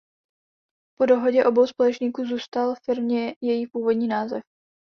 Po dohodě obou společníků zůstal firmě její původní název.